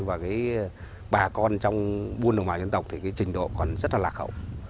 và bà con trong buôn đồng bào dân tộc thì trình độ còn rất là lạc hậu